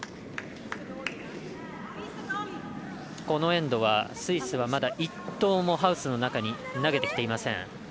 このエンドは、スイスはまだ１投も、ハウスの中に投げてきていません。